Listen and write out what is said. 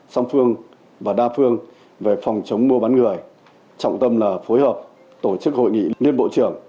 song phương và đa phương về phòng chống mua bán người trọng tâm là phối hợp tổ chức hội nghị liên bộ trưởng